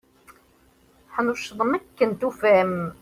Teḥnuccḍem akken tufam.